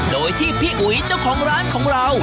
โดยที่พี่อุ๋ยเจ้าของร้านของเรา